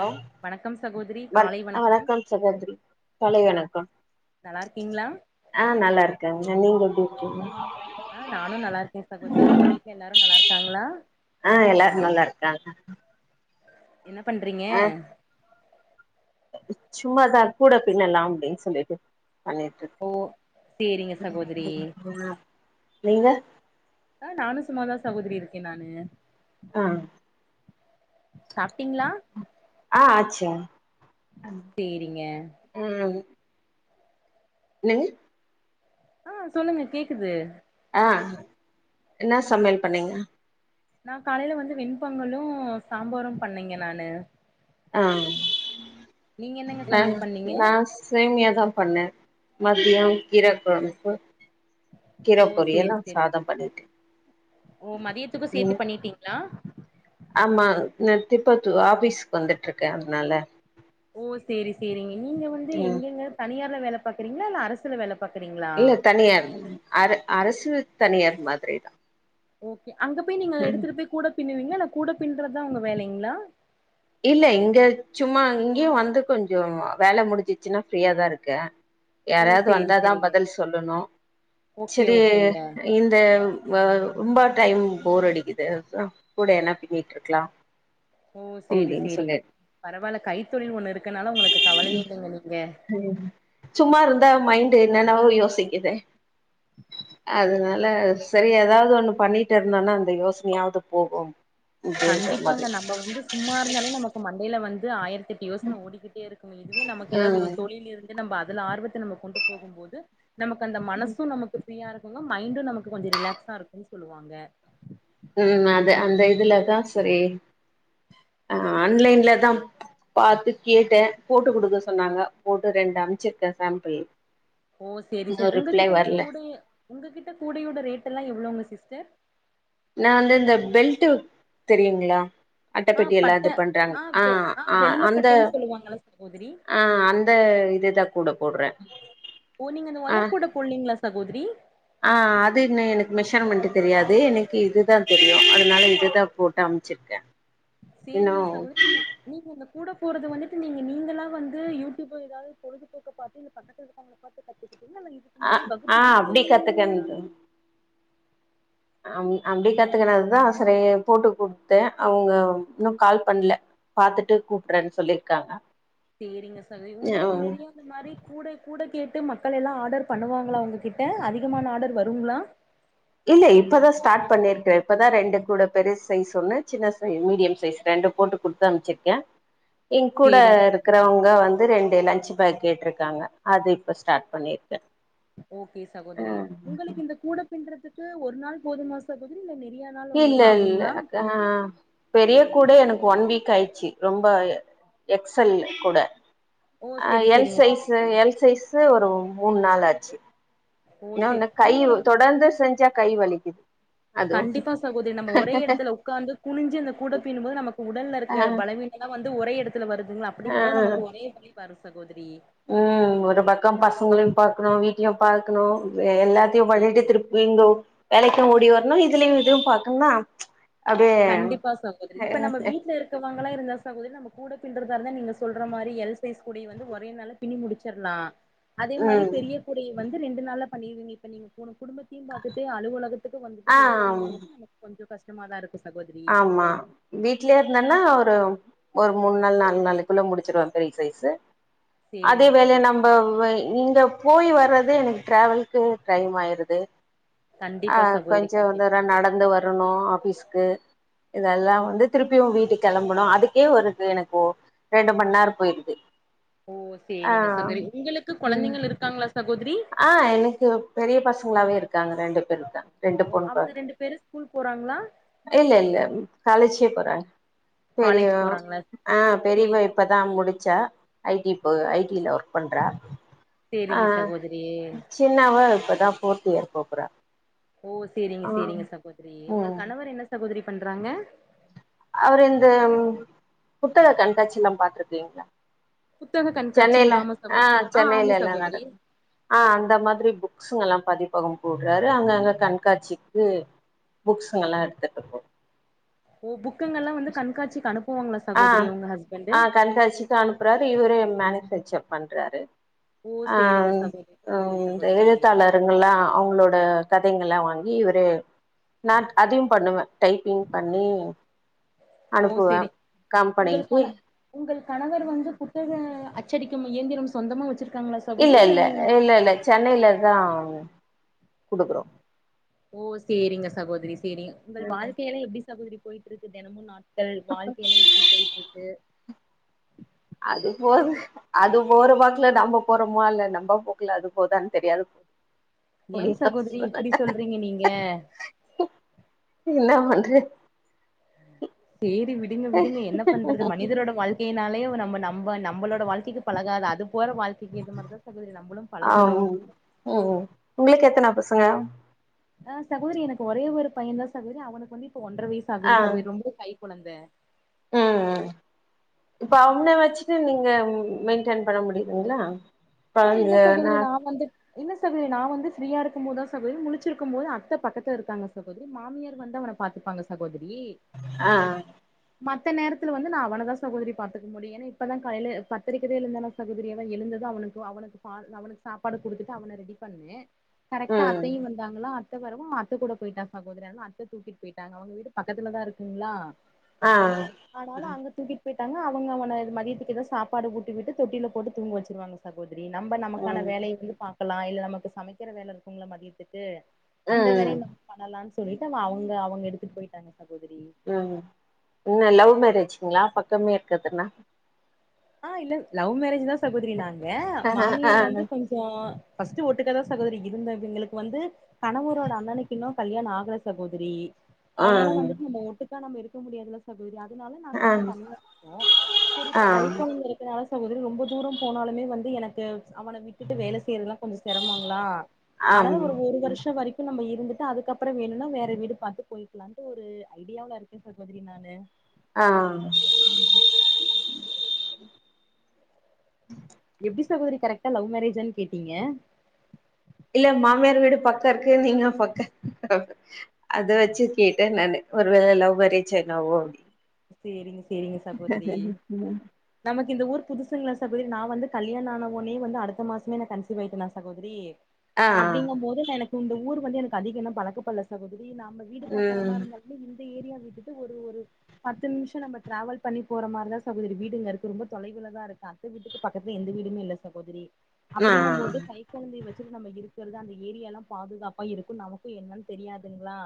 hello வணக்கம் சகோதரி வண் காலை வணக்கம் வணக்கோ சகோதரி காலை வணக்கோ நல்லா இருக்கீங்களா ஆ நல்லா இருக்கங்க நீங்க எப்டி இருக்கீங்க ஆ நானோ நல்லா இருக்கே சகோதரி உங்க வீட்ல எல்லாரு நல்லா இருக்காங்களா ஆ எல்லாரு நல்லா இருக்காங்க என்ன பண்றீங்க ஆ சும்மாதா கூட பின்னலாம் அப்டின் சொல்லிட்டு பண்ணியிரு ஓ சேரிங்க சகோதிரி இருக்கே ஆ நீங்க ஆ நானு சும்மாதா சகோதிரி இருக்கே நானு ஆ சாப்ட்டிங்ளா ஆ அச்சு ம் சேரிங்க ம் என்னங்க ஆ சொல்லுங்க கேக்குது ஆ இன்னா சமயல் பண்ணிங்க நா காலைல வந்து வெண்பெங்கலு சாம்பாரு பண்ணேங்க நானு ஆ நீங்க என்னங்க நா சமையல் பண்ணீங்க நா சேமியாதா பண்ணே ஓ மதியோ கீரக்கொழம்பு ஓ சேரி சேரி பண்ணிட்டே ஓ மதியத்துக்கு சேத்து ம் பண்ணிட்டிங்ளா ஆமா நா திப்பத்தூர் ஆஃபீஸ்க்கு வந்துட்ருக்கே அதுனால ஓ சேரி சேரிங்க நீங்க வந்து ம் எங்கெங்க தனியார்ல வேல பாக்குறிங்ளா இல்ல அரசுல வேலப் இல்ல தனியார் அர அரசு தனியார் மாதிரி தா ஓக்கே அங்க போய் நீங்க எடுத்துட்டு போய் கூட பின்னுவிங்ளா இல்ல கூட பின்றத்தா உங்க வேலைங்ளா இல்ல இங்க சும்மா இங்யு வந்து கொஞ்சோ வேல முடிஞ்சிச்சின்னா ஃப்ரீயாதா இருக்க ஓ யாரயாது சேரி வந்தாதா சேரிங்க பதில் சொல்லணு ஓகே செரி ஓகேங்க இந்த வ ரொம்ப டைம் போர் அடிக்குது அதா கூட எத்னா பின்னிங்ட்ருக்லா ஓ சேரி சேரிங்க பரவால்ல கைத்தொழில் ஒண்ணு இருக்கனால உங்ளுக்கு கவலய இல்லைக்ஷங்க நீங்க சும்மாருந்தா மைண்டு இன்னென்னாவோ யோசிக்குது அதனால செரி எதாவ்து ஒண்ணு பண்ணிட்டுருந்தோணா அந்த யோஸ்னயாவுது போகும் கண்டிப்பாங்க நம்ப வந்து ஸ் சும்மா இருந்தாலே நமக்கு மண்டைல வந்து ஆய்ரத் எட்டு யோஸ்ன ஓடிக்கிட்டேருக்கு இதுவே நமக்கு எதாது ம் ஒரு தொழில் இருந் நம்ப அதுல ஆர்வத்த நம்ம கொண்டு போகு போது நமக்கு அந்த மனசு நமக்கு ஃப்ரியா இருக்குங்கோ மைண்டு நமக்கு கொஞ்சோ ரிலாக்ஸாருக்குன் சொல்லுவாங்க ம் அது அந்த இதுல தா செரி ஆ அன்லைன்ல தா பாத்து கேட்ட போட்டு குடுக்க சொன்னாங்க போட்டு ரெண்டு அம்ச்சிர்க்க சாம்புள் ஓ சேரி சே உங்ககிட்டல்லா கூடைய உங்ககிட்ட கூடையோட ரேட்டல்லா எவ்ளோங்க சிஸ்டர் நா வந்து இந்த பெல்ட்டு தெரியுங்ளா அட்ட ஆ பெட்டியால்லா பட்ட இது பண்றாங்க ஆ வெ ஆ வெள்ள அந்த பட்டைன்னு சொல்லுவாங்கல்ல சகோதரி ஆ அந்த இதுதா கூட போட்ற ஓ நீங்க அந்த வயர் கூட போட்லீங்ளா சகோதிரி ஆ அது இன்ன எனக்கு மெஷர்மண்ட்டு தெரியாது எனக்கு இதுதா தெரியு அதனால இதுதா போட்டு அம்ச்சிருக்க சேரிங்க சகோதிரி கி நீங்க இந்த கூட போறது வந்துட்டு நீங்க நீங்களா வந்து யூடியூபு எதாவ்து பொழுதுபோக்க பாத்து இந்த பக்கத்துலருக்கவ்ங்ள பாத்து கத்துக்கிட்டிங்லா இல்ல இது அ ஆ அப்டி கத்துக்கன்து அம் அப்டி கத்துக்குனதுதா செரி போட்டு குத்த அவுங்க இன்னு கால் பண்ல பாத்துட்டு கூப்ட்ரன் சொல்லிருக்காங்க சேரிங்க சகோத்ரி உங்குளுக்கு ம் நெறிய அந்த மாரி கூடை கூட கேட்டு மக்கள் எல்லா ஆடர் பண்ணுவாங்களா உங்ககிட்ட அதிகமான ஆடர் வருங்ளா இல்ல இப்பதா ஸ்டாட் பண்ணிர்க்குற இப்பதா ரெண்டு கூட பெரிசைஸ் ஒண்ணு சின்ன சைஸ் மீடியம் சைஸ் ரெண்டு போட்டு குட்த் தம்சிர்க்க ஏ கூட சேரிங்க சகோதரி இருக்குறவுங்க வந் து ரெண்டு லஞ்ச்சு பாக் கேட்ருக்காங்க அது இப்ப ஸ்டார்ட் பண்ணிருக்க ஓக்கே சகோதிரி உங்களுக்கு இந்த கூட பின்றதுக்கு ஒரு நாள் போதுமா சகோதிரி இல்ல நெறியா இல்ல இல்ல அக்கா பெரிய கூட எனக்கு வன் வீக் ஆயிச்சி ரொம்ப எக்ஸ் எல் உ கூட ஓ அ செரி எல் செரிங்க சைஸு சகோதரி எல் சைஸு ஒரு மூன் நாள் ஆச்சு ஓ ன்ன செரி ஒன்னு கை நீங்க வ தொடர்ந்து செஞ்சா கை வலிக்கிது கண்டிப்பா சகோதிரி நம்ப ஒரே எடத்துல உக்காந்து குனிஞ்சு அந்த கூட பீன்போது நமக்கு ஆ உடலருக்க பலவீன்ல்லா வந்து ஒரை எட துலல வருதுங்களா ஆ அப்டிங்கும்போது நமக்கு ஒரே எடத்துல வரு சகோதிரி ம் ஒரு பக்கோ பசங்ளயு பாக்ணு வீட்லயு பாக்ணு எ எல்லாத்தியு பண்ணிட்டு சேரிங்க திருப் இங்கோ வேலைக்கு ஓடி வரணு இதுலியு இதுவு பாக்கணுன்னா கண்டிப்பா சகோதிரி இப்ப நம்ம வீட்ல இருக் க்க வாங்கலா இருந்தா சகோதிரி நம்ப கூட பின்டுறதாருந்தா நீங்க சொல்ற மாரி எல் சைஸ் கூடியவந்து ஒரே நாள்ல பின்னி முடிச்சர்லா அதே மாரி ம் பெரிய கூடைய வந்து ரெண்டு நாள்ல பண்ணிருங்க இப்ப நீங்க போன குடும்ப த்தியு பாத்துட்டு அலுவலகத்துக்கு வந்துட்டு ஆ வேல செய்யணுங்கறது நமக்கு கொஞ்சொ கஷ்டமாக தா இருக்கு சகோதரி ஆமா வீட்லே இருந்தன்னா ஒரு ஒரு மூன் நாள் நாலு நாள்குள்ள முடிச்சிருவ பெரிய சைஸ்சு அதே சேரிங்க வேள சகோதரி நம்ப இங்க போய் வர்றதே எனக்கு டிராவல்க்கு டைம் ஆயிருது அ கண்டிப்பா சகோதரி கொஞ்சொ கண்டிப்பா தூரோ நடந்து வரணு ஆஃபீஸ்க்கு இதெல்லா வந்து திருப்பியு வீட்டுக் கெளம்பனு அதுக்கே வருது எனக்கோ ரெண்டு மண்நேரோ போய்ருது ஓ ஆ ம் குத்தாங்ளா சகோதிரி ஆ எனக்கு பெரிய பசங்ளாவே இருக்காங்க ரெண்டு பேர் இருக்காங்க ரெண்டு ஓ பொண் அவங்க கொழந் ரெண்டு பேரு ஸ்கூல் போறாங்ளா இல்ல இல்ல காலேஜ்கே போறாங்க காலேஜ் பெரியவன் போறாங்களா ஆ பெரியவன் சேரி இப்ப தா முடிச்ச ஐ டி போக ஐ டி ல வர்க் பண்றா ஆ சேரிங்க சகோதிரி சின்னவ இப்ப தா ஃபோர்த் இயர் போ போறா ஓ சேரிங்க சேரிங்க சகோதிரி உங்கள் ம் கணவர் என்ன சகோதிரி பண்றாங்க அவரு இந்த புத்தக கண்காட்சிலா பாத்ருக்கீங்ளா புத்தக சென்னைல கண்காட்சிங்களா ஆமா ஆ சகோதரி சென்னைல ஆமா எலா சகோதரி நடக் ஆ அந்த மாதிரி புக்ஸ்ங்கல்லாஅ பதிப்பகம் போட்றாரு அங்கங்க கண்காட்சிக்கு புக்ஸ்ஸுங்கல்லா எடுத்துட்டுப்போ ஓ புக்குங்கல்லா வந்து கண்காட்சிக்கு அனுப்புவாங்களா சகோதரி உங்க ஹஸ்பண்டு கண்காச்சி ச்சு அனுப்புறாரு இவுரு மேனுஃபேக்சர் பண்றாரு ஓ ஆ சேரிங்க ம் சகோதரி சேரிங்க ந்த சகோதரி எழுத்தாளர் ருங்கல்லா அவுங்ளோட கதைங்கல்லா வாங்கி இவுரே நாட் அதையு பண்ணுவ டைப்பிங் பண்ணி ஓ அனுப்புவே செரி உங்களுக்கு கம்பெனிக்கு பண்ண உங்கள் கணவர் வந்து புத்தக அச்சடிக்கும் இயந்திரம் சொந்தமா வெச்சிருக்காங்களா ச இல்ல இல்ல இல்ல இல்ல சென்னைல இருந்தா குடுக்குறோ ஓ சேரிங்க சகோதிரி சேரிங் உங்கள் வாழ்க்கையெல்லா எப்டி சகோதிரி போயிட்ருக்கு தெனமு நாட் உங்கள் வாழ்க்கையெல்லா எப்டி போய்ட்ருக்கு அதுபோது அது போற வாக்ல நம்ப போறோமா இல்ல நம்ப போக்குல அது போதான்னு தெரியாது ஏன் அப்டின்னு தா சகோதிரி இப்டி சொல்றீங்க நீங்க குக் என்னா பண்ற சேரி விடுங்க விடுங்க என்ன பண்றது மனிதரோட வாழ் கேனாலே ஒ நம்ப நம்ப நம்பளோட வாழ்க்கெக்கு பழகாது அது போற வாழ் திக்கி ஏத்த மாரிதா சகோதரி நம்பளு பழகணு ஆம் ம் ம் உங்ளுக்கு எத்தன பசங்க அ சகோதரி எனக்கு ஒரே ஒரு பையந்தா சகோதரி அவனுக்கு வந்து இப்ப ஒன்ற ஆ வயசாகுது சகோதரி ரொம்ப கைகொழந்த ம் ம் [inaudible] இப்ப அவன வச்சுட்டு நீங்க மெயின்டென் பண்ண முடியுதுங்ளா ஆ இல்ல சகோதரி நா வந்துட் இல்ல சகோதரி நா வந்து ஃப்ரீயா இருக்குபோதா சகோதரி முழிச்சிருக்கு போது அத்த பக்கத்துல இருக்காங்க சகோதரி மாமியார் வந்து அவன பாத்துப்பாங்க சகோதரி அ [inaudible] மத்த நேரத்துல வந்து நா அவனதா சகோதரி பாத்துக்க முடியு ஏன்னா இப்பதா காலைல பத்தரக்கிதா எழுந்தனா சகோதரி அதா எழுந்தது அவனுக் அவனுக் பால் அவனுக்கு சாப்பாடு குடுத்துட்டு அவன ரெடி பண்ணே கரெக்டா ம் அத்தையு வந்து வந்தாங்களா அத்த வரவு அத்த கூட போயிட்டா சகோதரி அதுவு அத்த தூக்கிட்டு பொயிட்டாங்க அவங்க வீட்டு பக்கத்துலதா இருக்குங்ளா ஆ அனால அங்க தூக்கிட் பொய்டாங்க அவுங்க அவன இது மதியத்துக்கு எதா சாப்பாடு ஊட்டிவிட்டு தொட்டில்ல போட்டு தூங்க வச்சிர்வாங்க சகோதரி நம்ப நமக்கான ம் வேலைய்ங்கு பாக்குலா இல்ல நமக்கு சமக்கிற வேலை இருக்குல்ல மதியத்துக்கு அந்த ம் வேலயு நம்ப பண்ணலான் சொல்லிட்டு அவ அவங்க அவங்க எடுத்துட்டு பொய்ட்டாங்க சகோதரி ம் என்ன லவ் மேரேஜ்ங்ளா பக்கமே இருக்கத்துனா அ இல்ல லவ் மேரேஜ்தா சகோதரி நாங்க ஆ மாமியார் வந்து ஆ கொஞ் சொ ஃபஸ்ட் ஒட்டுக்காதா சகோதரி இருந்த எங்களுக் வந்து கணவரோட அண்ணனுக்கு இன்னு கல்யாண ஆகுல சகோதரி அதுனால வந்துட்டு நம்ம ஒட்டுக்கா நம்ம எடுக்க முடியாதுல்ல சகோதரி அதுனால நாங்க ஆ வந்து தனியா இருப்போ செரி ஆ இப்ப கை பிள்ள இருக்கனால சகோதரி ரொம்ப தூரம் போனாலுமே வந்து எனக்கு அவன விட்டுட்டு வேல செய்யறத்ல்லா கொஞ்சொ செரமங்களா அனால ஆம் ஒரு ஒர் வர்ஷொ வரிக் ப்ப நம்ப இருந்துட்டு அதுக்கப்பற வேணுன்னா நவேற வீடு பாத்து போய்க்கலான்ட்டு ஒரு ஐடியாவ்ல இருக்கே சகோதரி நானு ஆ எப்டி சகோதரி கரெக்டா லவ் மேரேஜான் கேட்டீங்க இல்ல மாமியார் வீடு பக்க இருக்கு நீங்க பக்க அத வெச்சு கேட்ட நான்னு ஒரு வேல லவ்மேரேஜ்ஜா என்னவோ சேரிங்க சேரிங்க சகோத்ரி நமக்கு இந்த ஊர் புதுசுங்களா சகோதரி நா வந்து கல்யாணோ ஆன வொன்னே வந்து அடுத்த மாசமே நா கன்சி்வ் ஆயிட்டேனா சகோதரி ஆ அப்டிங்க போது எனக்கு இந்த ஊர் வந்து எனக்கு அதிகோ எல்லா பழக்க படல சகோதிரி நாம வீடு பாக்குற ம் மாருந்தா இல்ல இந்த ஏரியா விட்டுட்டு ஒரு ஒரு பத்து நிமிஷோ நம்ம டிராவல் பண்ணி போற மாரிதா சகோதரி வீடுங்கருக்கு ரொம்ப தொலைவில்லதா ருக்கா எங்க வீட்டுக்கு பக்கத்துல எந்த வீடுமே இல்ல சகோதரி ஆ அப்படிங்க போது கை கொழந்தைய வச்சுட்டு நம்ம இருக்குறது அந்த ஏரியா எல்லா பாதுகாப்பா இருக்கு நமக்கு என்னன்னு தெரியாதுங்களா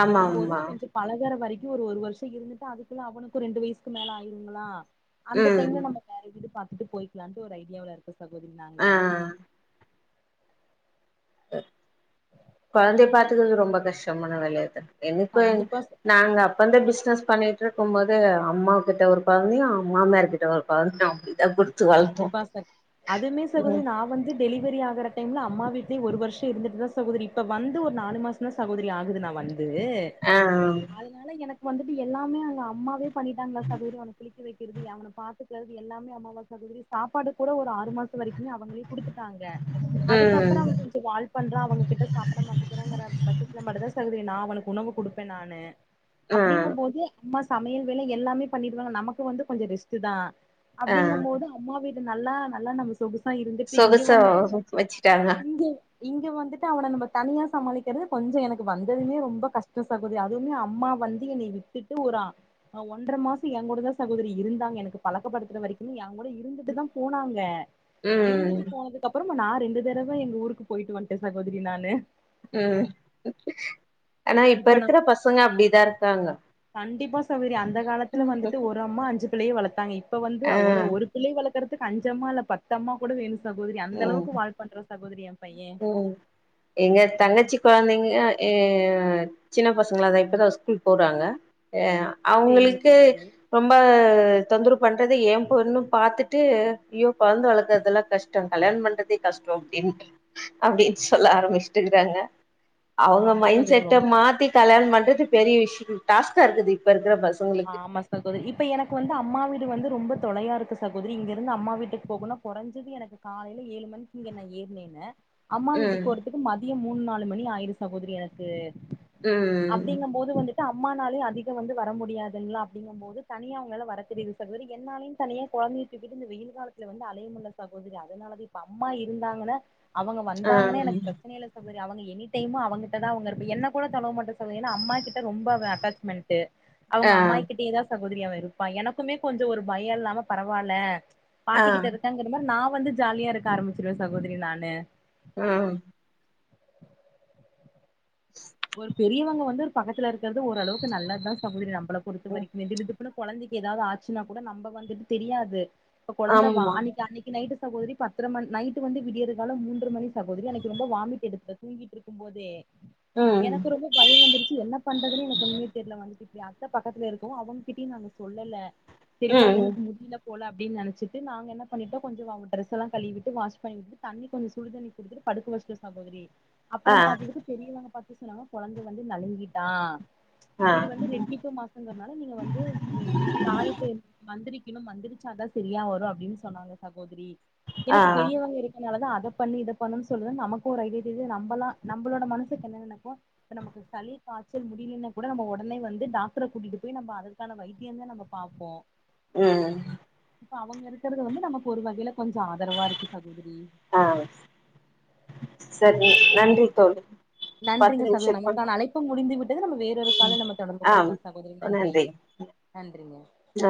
ஆமா போது ஆமா கொஞ்சோ பழகற வரைக்கு ஒரு ஒரு வருஷோ இருந்துட்டு ட்டா அதுக்குள்ள அவனுக்கு ரெண்டு வய்சுக்கு மேல ஆயிருங்களா அந்த ம் டைம்ல நம்ம வேற வீடு பாத்துட்டு போயிக்கலான்ட்டு ஒரு ஐடியாவுல இருக்கோ சகோதரி நாங்க ஆ கொழந்தைற பாத்துக்கற்து ரொம்ப கஷ்டமான வேலையத்தா எனக்கு எங் கண்டிப்பா ச நாங்கப் இப்பந்து பிஸ்னஸ் பண்ணிட்ருக்கு போது அம்மாக்கிட்ட ஒரு கொழந்தையு மாமியார்கிட்ட ஒரு கொழந்தையு அப்டி தா குடுத் கண்டிப்பா சக் அதுமே சகோதரி நா வந்துட் டெலிவரி ஆகுறடைம்ல அம்மா வீட்லே ஒரு வர்ஷ இருந்துட்தா சகோதரி இப்ப வந்து ஒரு நாலு மாசந்தா சகோதரி ஆகுது நா வந் இது ஆ அதுனால எனக் வந்துட்டு எல்லாமே அங்க அம்மாவே பண்ணிடாங்களா சகோதரி அவன குளிக்கவைக்கிற்து அவன பாத்துக்கிறது எல்லாமே அம்மாவா மத்தபடி சாப்பாடு கூட ஒரு ஆறு மாசோ வரைக்குமே அவங்களே குடுத்துட்டாங்க அதுக்கப்றோ ம் அவ்ங்க கொஞ்சோ வால் பண்றா அவங்க கிட்ட சாப்ட மாட்டேங்கிறான்ற பட்சத்துல மட்டு தா சகோதிரி நா அவனுக்கு உணவு குடுப்பே நானு ஆ அப்படிங்க போது அம்மா சமையல் வேல எல்லாமே பண்ணிடுவாங்க நமக்கு வந்து கொஞ்சோ ரெஸ்ட்டு தா ஆ அப்படிங்க போது அம்மா வீடு நல்லா நல்லா நா மிஸ் சொகுசா இருந்துட்டு இங்க சொகுசா வந்துட்டு எனக்கு வச்சுட்டாங்க இங்கே இங்க வந்துட்டு அவன நம்ம தனியா சமாளிக்கிறது கொஞ்சோ எனக்கு வந்ததுமே ரொம்ப கஷ்டோ ச பொதைய அதுவுமே அம்மா வந்து என்னை விட்டுட்டு ஒரு ஒன்ற மாசோ எங்கூட தா சகோதரி இருந்தாங்க எனக்கு பழக்கப்படுத்துற வரைக்குமே ஏ ஒ கூட இருந்துட்டு தா போனாங்க ம் இருந்துட்டு போனதுக்கு அப்றோ நா ரெண்டு தடவ எங்க ஊருக்கு போயிட்டு வந்துட்டே சகோதரி நானு ம் ஆனா இப்ப இருக்குற பசங்க அப்டி தான் இருக்காங்கோ கண்டிப்பா சகோதரி அந்த காலத்துல வந்துட்டு ஒரு அம்மா அஞ்சு பிள்ளய வளத்தாங்க இப்ப வந்து ஆ ஒரு ஒரு பிள்ளய வளக்கறதுக்கு அஞ்சமால்ல பத் பத்து அம்மா கூட வேணு சகோதரி ம் அந்தளவுக்கு வால் பண்றா சகோதரி ஏ பையே ம் எங்க தங்கச்சி கொழந்தைங்க ஏ சின்ன பசங்களா தா இப்போதா ஸ்கூல் போறாங்க ஏ சேரிங்க அவ்ங்களுக்கு சகோதரி ரொம்ப தொந்துருவு பண்றது ஏ பொண்ணு பாத்துட்டு ஐயோ கொழந்த வளக்கறதெல்லாம் கஷ்ட் டோ கல்யாணோ பண்றதே கஷ்டோ அப்டின் அப்டின்னு சொல்ல ஆரம்ச்சிட்டு இருக்குறாங்க அவ்ங்க ஆமா மைண் சகோதரி செட்ட ரொம்ப மாத்தி கல்யாணோ பண்றது பெரிய விஷ்யோ டாஸ்கா இருக்குது இப்ப இருக்குற பசங் ஆமா சகோதரி இப்ப எனக்கு வந்து அம்மா வீடு வந்து ரொம்ப தொலையா இருக்கு சகோதரி இங்க இருந்து அம்மா வீட்டுக்கு போகுனா கொறஞ்சது எனக்கு காலைல ஏழு மணிக்கு இங்க ஏறினுனா அம்மா வீட்டுக் ம் போறதுக் மதியோ மூணு நாலு மணி ஆயிர்து சகோதரி எனக்கு ம் அப்டிங்க போது வந்துட்டு அம்மானாலே அதிகோ வந்து வர முடியாது சரிங்லா அப்டிங்கபோது தனியா அவுங்ளால வரத்தெரிது சகோத்ரி என்னாலயு தனியா கொழந்தய தூக்கிட்டு இந்த வெயில் காலோ துல வந்து அலையமுள்ள சகோத்ரி அதனாலதே இப்ப அம்மா இருந்தாங்கனா அவுங்க ஆ வந்தாங்கனா எனக்கு ப்ரச்சனயில அவரு அவுங்க எனி டைமு அவங்கிட்டதா அவுங்க இருப் என்ன கூட தழுவ மாட்டா [unintelligible] ஏனா அம்மா கிட்ட ரொம்ப அவே அட்டாச்மென்ட்டு ஆ அவுங்க அம்மாகிட்டேயேதா சகோதரிய அவே இருப்பா எனக்குமே கொஞ்சோ ஒரு பயோ இல்லாம பரவால ஆ பாட்டிக்கிட்ட இருக்காங்கற மாரி நா வந்து ஜாலியா இருக்க ஆரம்பிச்சிருவே சகோதரி நானு அ [inaudible] ஒரு பெரியவங்க வந்து ஒர் பக்கத்துலருக்கிறது ஓரளவுக்கு நல்லதுதா சகோதரி நம்பளபொருத்த ம் வரைக்கு திடுதிப்புன்னு கொழந்தக்கி ஏதாவ் ஆச்சுன்னா கூட நம்ப வந்துட்டு தெரியாது ப்பு கொழந்ததா ஆமா அன்னிக் அன்னிக் இ நைட்டு சகோதரி பத்ர மண் நைட்டு வந்து விடிய்ற காலா மூன்ற மணி சகோதரி அன்னைக் ரொம்ப வாமிட் எடுத்த தூங்கிட்ருக்கும்போதே ம் எனக் ரொம்பப் பய் வந்துருச்சி என்ன பண்றதுனே எனக்கொன்னுமே தெர்ல வந்துட்டு இப்டி அத்த பக்கத்துல இருக்கவு அவங்கிட்டியி நாங்க சொல்லல சேரி ம் பையனுக்கு முடிலப் போல அப்டின் நெனச்சிட்டு நாங்கென்ன பண்ணிடோ கொஞ்சோவாவ் ட்ரெஸெல்லா கழிவிட்டு வாஷ் பண்ணி விட்டு தண்ணி கொன் சுடுதண்ணி குடுத்துட்டு படுக்கு வஷ்ட்டு சகோதரி ஆ அப்பறம் பாத்ததுக்கு பெரியவங்க பாத்து சொன்னாங்க கொழந்த வந்து நலங்கிட்டா ஆ இது வந்து ரெட்டிப்பூ மாசங்கற்னால நீங்க வந்து இதே து தாயத்து மந்திரிக்கிணு மந்திரிச்சாதா செரியா வரு அப்டின் சொன்னாங்க சகோதிரி எனக்கு ஆ பெரியவங்க இருக்கனாலதா அத பண்ணு இத பண்ணுன் சொல்ல நமக்கு ஒரு ஐடியா தெரிது நம்மளா நம்ளோட மனசு [inaudible] இப்ப நமக்கு சளி காய்ச்சல் முடியலினா கூட நம்ம ஒடனே வந்து டாக்டர கூட்டிட்டு போய் நம்ம அத இதுக்கான வைத்யோந்தா நம்ம பாப்போ அ இப்ப அவங்கிருக்குறது வந்து நமக் ஒருவகைல கொஞ்சோ ஆதரவா இருக்கு சகோதிரி ஆ சரி சரி, நன்றி தோழி பத்து நன்றிங்க சகு நிமிஷத்துக்கு நமக்கான அழைப்பு முடிந்து விட்டது நம்மு வேறரு கால நம்ம தொடர்பு ஆ கொள்ளலா சகோதரி நன்றி நன்றிங்க ஆ